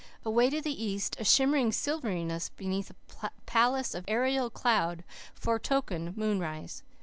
Away to the east a shimmering silveryness beneath a palace of aerial cloud foretokened moonrise.